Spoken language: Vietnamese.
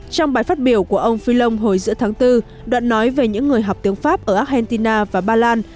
trong bài phát biểu của ông phillon hồi giữa tháng bốn đoạn nói về những người học tiếng pháp ở argentina và ba lan